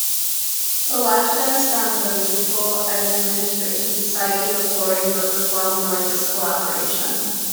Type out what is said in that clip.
Selections from the Mutual Admiration Society recording were performed during this collaboration.